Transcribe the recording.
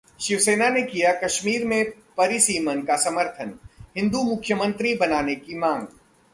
शिवसेना ने किया कश्मीर में परिसीमन का समर्थन, हिंदू मुख्यमंत्री बनाने की मांग